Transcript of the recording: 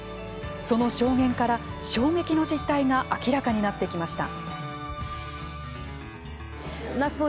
その証言から、衝撃の実態が明らかになってきました。